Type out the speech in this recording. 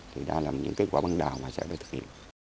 thì đó là những kết quả băng đào mà sẽ được thực hiện